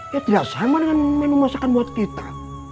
ya tidak sama dengan menu masakan buat kita